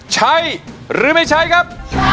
ใช้หรือไม่ใช้ครับ